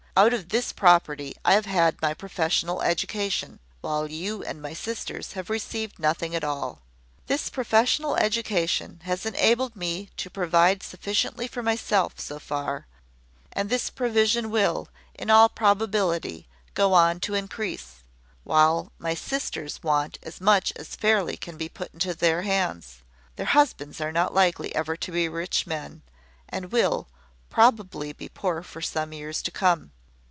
Out of this property I have had my professional education, while you and my sisters have received nothing at all. This professional education has enabled me to provide sufficiently for myself, so far, and this provision will in all probability go on to increase; while my sisters want as much as can fairly be put into their hands. Their husbands are not likely ever to be rich men, and will probably be poor for some years to come.